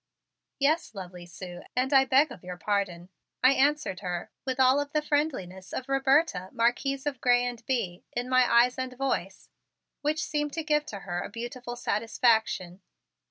"Yes, lovely Sue, and I beg of you pardon," I answered her with all of the friendliness of Roberta, Marquise of Grez and Bye, in my eyes and voice, which seemed to give to her a beautiful satisfaction.